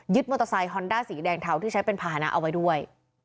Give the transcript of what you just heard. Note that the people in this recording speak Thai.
มอเตอร์ไซคอนด้าสีแดงเทาที่ใช้เป็นภาษณะเอาไว้ด้วย